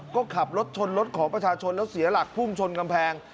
ก็ขับรถชนรถของประชาชนแล้วเสียหลักพุ่งชนกำแพง